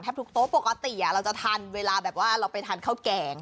ทุกโต๊ะปกติเราจะทานเวลาแบบว่าเราไปทานข้าวแกง